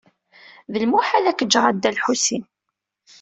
D lmuḥal ad k-ǧǧeɣ a Dda Lḥusin.